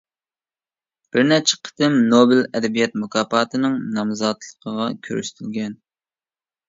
بىر نەچچە قېتىم نوبېل ئەدەبىيات مۇكاپاتىنىڭ نامزاتلىقىغا كۆرسىتىلگەن.